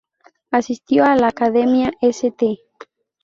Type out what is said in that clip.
Asistió a la Academia St.